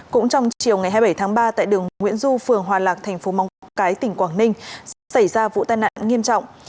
cũng trong chiều ngày hai mươi bảy tháng ba tại đường nguyễn du phường hòa lạc thành phố móng cái tỉnh quảng ninh xảy ra vụ tai nạn nghiêm trọng